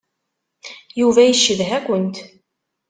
Yuba yeccedha-kent.